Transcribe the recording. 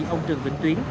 ông trường vĩnh tuyến